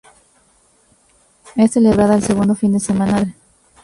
Es celebrada el segundo fin de semana de septiembre.